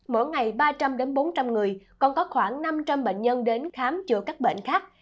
mỗi ngày ba trăm linh bốn trăm linh người còn có khoảng năm trăm linh bệnh nhân đến khám chữa các bệnh khác